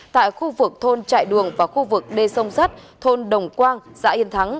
tại khu vực thôn trại đường và khu vực đê sông sắt thôn đồng quang xã yên thắng